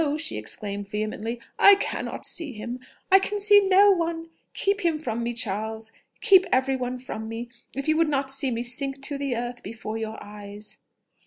she exclaimed vehemently, "I cannot see him I can see no one! keep him from me, Charles, keep every one from me, if you would not see me sink to the earth before your eyes!"